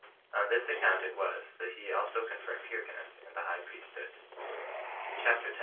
On this account it was that he also confirmed Hyrcanus in the high priesthood. CHAPTER 10.